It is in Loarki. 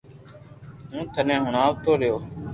ھون ٿني ھڻاوتو رھيو